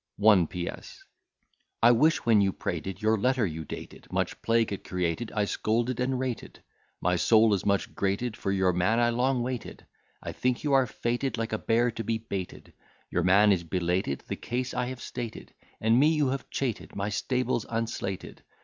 1 P.S. I wish, when you prated, your letter you'd dated: Much plague it created. I scolded and rated; My soul is much grated; for your man I long waited. I think you are fated, like a bear to be baited: Your man is belated: the case I have stated; And me you have cheated. My stable's unslated.